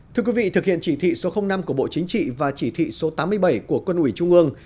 thưa quý vị thực hiện chỉ thị số năm của bộ chính trị và chỉ thị số tám mươi bảy của quân ủy trung ương